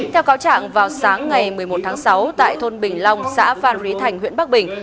theo cáo trạng vào sáng ngày một mươi một tháng sáu tại thôn bình long xã phan rí thành huyện bắc bình